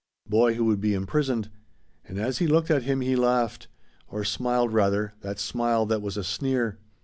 Boy who would be imprisoned. And as he looked at him he laughed; or smiled rather, that smile that was a sneer.